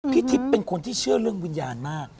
ทิพย์เป็นคนที่เชื่อเรื่องวิญญาณมาก